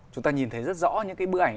chúng ta nhìn thấy rất rõ những cái bức ảnh